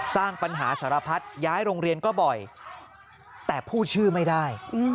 สร้างปัญหาสารพัดย้ายโรงเรียนก็บ่อยแต่พูดชื่อไม่ได้